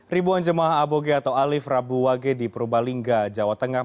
ribuan jemaah aboge atau alif rabu wage di purbalingga jawa tengah